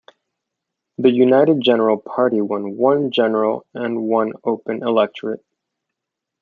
The United General Party won one "general" and one open electorate.